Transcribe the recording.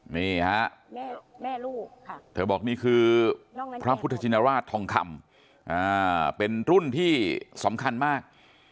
นี่ฮะแม่ลูกเธอบอกนี่คือพระพุทธชินราชทองคำเป็นรุ่นที่สำคัญมาก